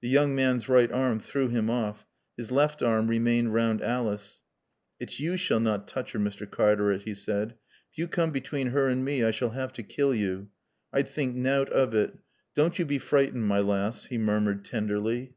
The young man's right arm threw him off; his left arm remained round Alice. "It's yo' s'all nat tooch her, Mr. Cartaret," he said. "Ef yo' coom between her an' mae I s'all 'ave t' kill yo'. I'd think nowt of it. Dawn't yo' bae freetened, my laass," he murmured tenderly.